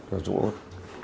và dũng út